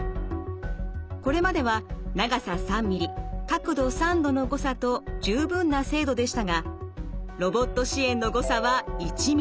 これまでは長さ３ｍｍ角度３度の誤差と十分な精度でしたがロボット支援の誤差は１ｍｍ。